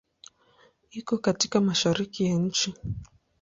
Iko katika Mashariki ya nchi.